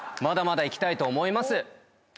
まだまだいきたいと思います。